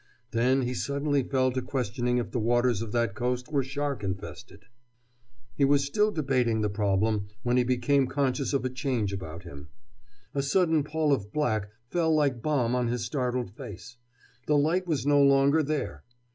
Then he suddenly fell to questioning if the waters of that coast were shark infested. He was still debating the problem when he became conscious of a change about him. A sudden pall of black fell like balm on his startled face. The light was no longer there.